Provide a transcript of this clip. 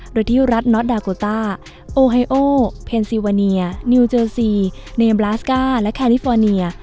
โดยที่รัฐน็อตดาโกต้าโอไฮโอเพนซีวาเนียนิวเจอร์ซีเนมลาสก้าและแคลิฟอร์เนีย